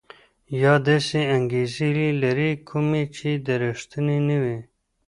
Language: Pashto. یا داسې انګېزې لري کومې چې ريښتيني نه وي.